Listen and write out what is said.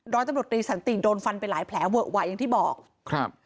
ร้อยตำรวจรีสันติโดนฟันไปหลายแผลเวอะหวะอย่างที่บอกครับ